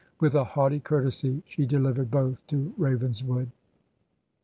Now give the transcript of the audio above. With a haughty courtesy she delivered both to Ravenswood."